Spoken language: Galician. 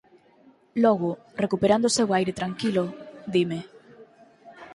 Logo, recuperando o seu aire tranquilo, dime: